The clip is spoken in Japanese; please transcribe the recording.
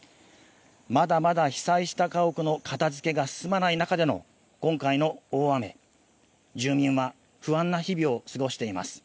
まだまだ被災した家屋の片付けが進まない中での今回の大雨、住民は不安な日々を過ごしています。